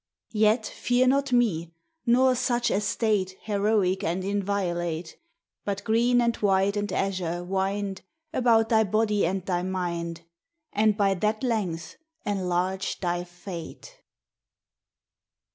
Yet fear not me, nor such estate Heroic and inviolate; But green and white and azure wind About thy body and thy mind, And by that length enlarge thy fate!